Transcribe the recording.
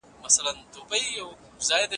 که ناوړه رواجونه وي واده به وځنډيږي.